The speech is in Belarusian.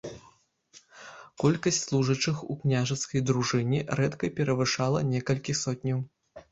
Колькасць служачых у княжацкай дружыне рэдка перавышала некалькі сотняў.